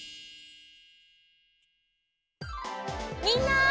みんな！